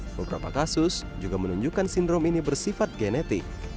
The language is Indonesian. beberapa kasus juga menunjukkan sindrom ini bersifat genetik